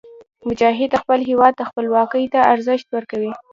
مجاهد د خپل هېواد خپلواکۍ ته ارزښت ورکوي.